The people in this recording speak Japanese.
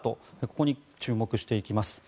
ここに注目していきます。